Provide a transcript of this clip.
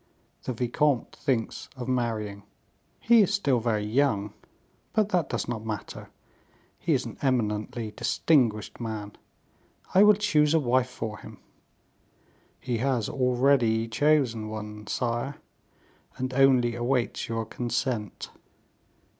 The vicomte thinks of marrying." "He is still very young; but that does not matter. He is an eminently distinguished man; I will choose a wife for him." "He has already chosen one, sire, and only awaits your consent."